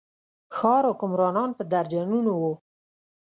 ښار حکمرانان په درجنونو وو.